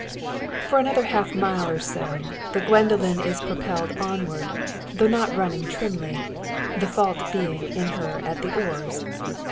For another half mile, or so, the Gwendoline is propelled onward, though not running trimly; the fault being in her at the oars.